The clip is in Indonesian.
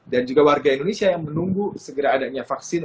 dan juga warga indonesia yang menunggu segera adanya vaksin